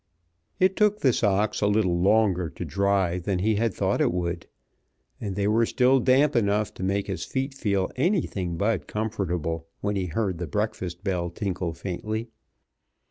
It took the socks a little longer to dry than he had thought it would, and they were still damp enough to make his feet feel anything but comfortable when he heard the breakfast bell tinkle faintly.